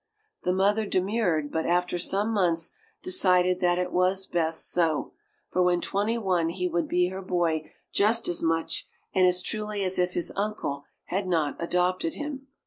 The mother demurred, but after some months decided that it was best so, for when twenty one he would be her boy just as much and as truly as if his uncle had not adopted him.